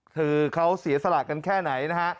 คือเขาเสียสละกันแค่ไหนนะฮะ